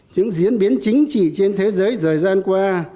những diễn biến chính trị trên thế giới thời gian qua